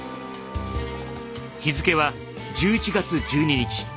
日付は１１月１２日。